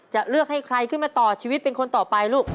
จะเลือกให้ใครขึ้นมาต่อชีวิตเป็นคนต่อไปลูก